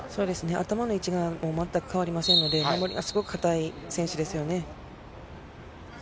頭の位置がもう全く変わりませんので、守りがすごい堅い選手ですよね。